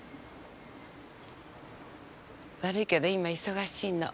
悪いけど今忙しいの。